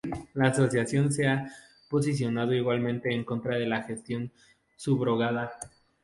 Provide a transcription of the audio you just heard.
La asociación se ha posicionado igualmente en contra de la gestación subrogada.